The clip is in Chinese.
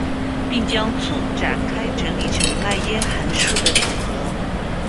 并将簇展开整理成迈耶函数的组合。